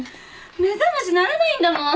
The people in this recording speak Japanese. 目覚まし鳴らないんだもん。